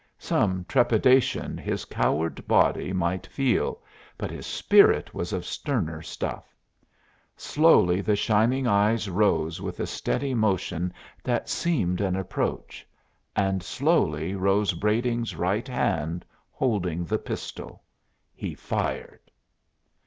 Some trepidation his coward body might feel, but his spirit was of sterner stuff. Slowly the shining eyes rose with a steady motion that seemed an approach, and slowly rose Brading's right hand, holding the pistol. He fired!